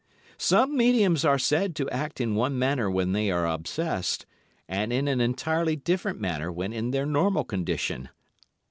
Some mediums are said to act in one manner when they are obsessed, and in an entirely different manner when in their normal condition.